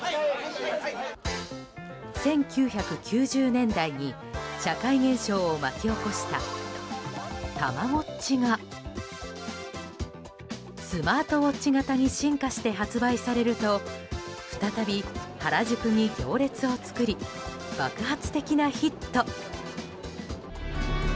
１９９０年代に社会現象を巻き起こしたたまごっちがスマートウォッチ型に進化して発売されると再び原宿に行列を作り爆発的なヒット。